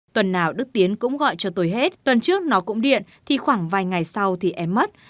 tuần nào đức tiến cũng gọi cho tôi hết tuần trước nó cũng điện thì khoảng vài ngày sau thì em mất